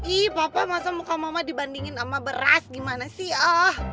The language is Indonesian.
ih papa masuk muka mama dibandingin sama beras gimana sih